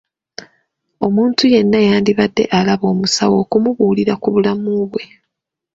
Omuntu yenna yandibadde alaba omusawo okumubuulira ku bulamu bwe.